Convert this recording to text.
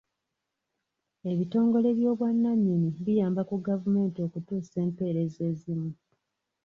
Ebitongole by'obwannannyini biyamba ku gavumenti okutuusa empeereza ezimu.